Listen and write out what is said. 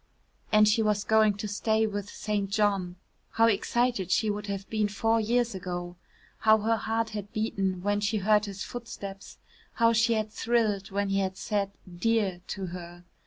And she was going to stay with St. John. How excited she would have been four years ago. How her heart had beaten when she heard his footsteps, how she had thrilled when he had said "dear" to her.